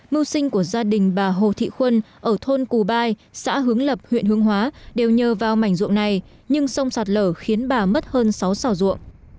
mưu sinh của gia đình bà hồ thị khuân ở thôn cù bai xã hướng lập huyện hương hóa đều nhờ vào mảnh ruộng này nhưng sông sạt lở khiến bà mất hơn sáu xào ruộng